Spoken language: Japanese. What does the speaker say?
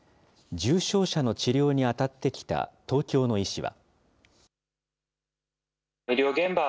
重症者の治療に当たってきた東京の医師は。